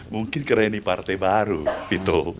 mungkin karena ini partai baru gitu